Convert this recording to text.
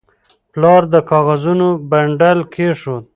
پلار د کاغذونو بنډل کېښود.